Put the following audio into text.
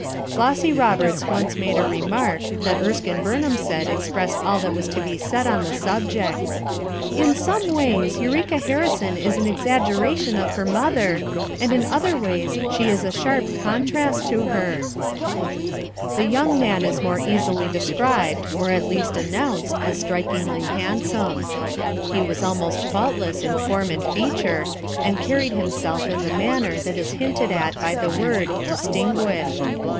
Flossy Roberts once made a remark that Erskine Burnham said expressed all that was to be said on the subject: "Tn some ways Eureka Harrison is an exaggeration of her mother, and in others she is a sharp contrast to her/' The young man is more easily described, or at least announced, as strikingly handsome. He was almost faultless in form and feature, and carried himself in the manner that is hinted at by the word "distinguished."